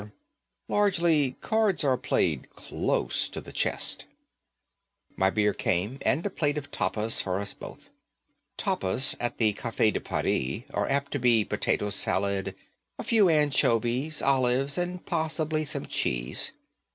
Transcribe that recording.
Largely, cards are played close to the chest. My beer came and a plate of tapas for us both. Tapas at the Cafe de Paris are apt to be potato salad, a few anchovies, olives, and possibly some cheese.